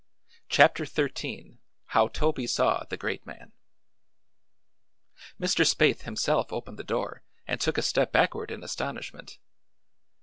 CHAPTER XIII HOW TOBY SAW THE GREAT MAN Mr. Spaythe himself opened the door and took a step backward in astonishment.